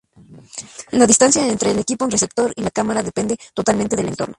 La distancia entre el equipo receptor y la cámara depende totalmente del entorno.